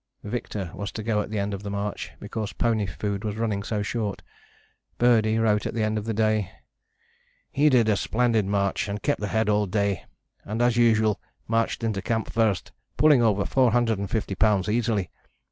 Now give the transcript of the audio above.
Victor was to go at the end of the march, because pony food was running so short. Birdie wrote at the end of the day: He "did a splendid march and kept ahead all day, and as usual marched into camp first, pulling over 450 lbs. easily.